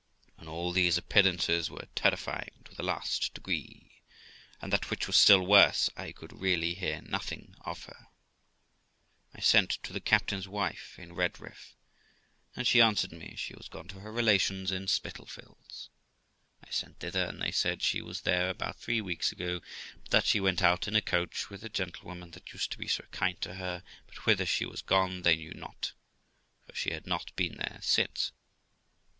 And all these appearances were terrifying to the last degree ; and that, which was still worse, I could really hear nothing of her; I sent to the captain's wife in Redriff, and she answered me, she was gone to her relations in Spitalfields. I sent thither, and they said she was there about three weeks ago, but that she went out in a coach with the gentlewoman that used to be so kind to her, but whither she was gone they knew not, for she had not been there since.